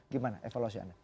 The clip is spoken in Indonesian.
gimana evaluasi anda